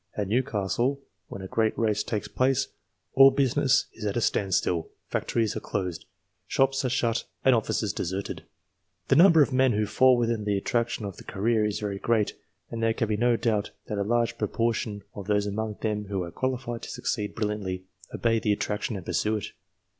At Newcastle, when a great race takes place, all business is at a standstill, factories are closed, shops are shut, and offices deserted. The number of men who fall within the attraction of the career is very great ; and there can be no doubt that a large proportion of those among them who are qualified to succeed brilliantly, obey the attraction and pursue it.